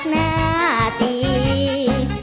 เพลงเก่งของคุณครับ